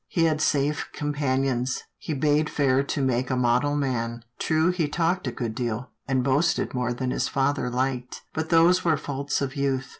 He had safe companions, he bade fair to make a model man. True he talked a good deal, and boasted more than his father liked, but those were faults of youth.